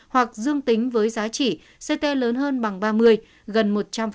hoặc dương tính với giá trị ct lớn hơn bằng ba mươi gần một trăm linh